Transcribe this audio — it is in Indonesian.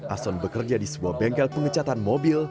ahson bekerja di sebuah bengkel pengecatan mobil